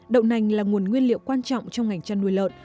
đậu nành là nguồn nguyên liệu quan trọng trong ngành chăn nuôi lợn